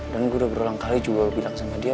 dan gue udah berulang kali juga bilang sama dia